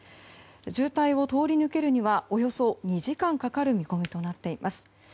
渋滞を通り抜けるにはおよそ２時間かかる見込みとなっています。